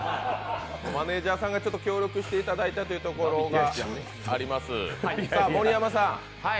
マネージャーさんが協力していただいたところがあります。